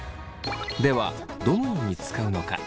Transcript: ではどのように使うのか。